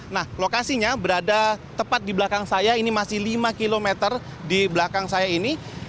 nah lokasinya berada tepat di belakang saya ini masih lima km di belakang saya ini